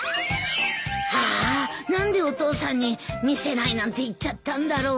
ああ何でお父さんに見せないなんて言っちゃったんだろう。